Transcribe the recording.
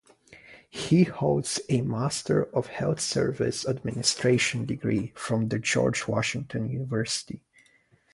He holds a master of health services administration degree from the George Washington University.